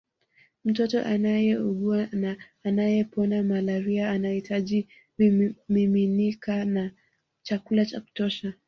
Mtoto anayeugua au anayepona malaria anahitaji vimiminika na chakula cha kutosha